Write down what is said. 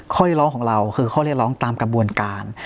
ข้อเรียกร้องของเราคือข้อเรียกร้องตามกระบวนการ